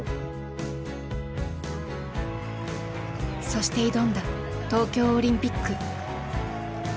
そして挑んだ東京オリンピック。